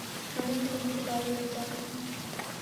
گاڑیوں کی لمبی قطاریں لگ جاتی ہیں۔